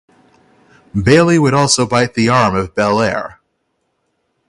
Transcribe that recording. Bayley would also bite the arm of Belair.